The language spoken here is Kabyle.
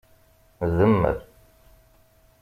Demmer.